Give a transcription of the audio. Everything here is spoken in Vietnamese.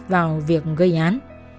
vào việc gây án